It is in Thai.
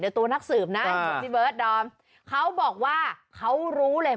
ตัวนักสืบนะพี่เบิร์ดดอมเขาบอกว่าเขารู้เลย